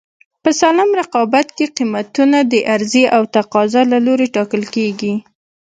په سالم رقابت کې قیمتونه د عرضې او تقاضا له لورې ټاکل کېږي.